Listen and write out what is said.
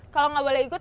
kalau nggak boleh ikut